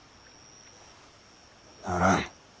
ならん。